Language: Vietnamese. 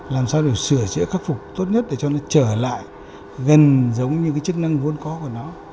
làm sao để sửa chữa khắc phục tốt nhất để cho nó trở lại gần giống như cái chức năng vốn có của nó